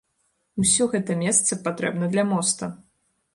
Усё гэта месца патрэбна для моста.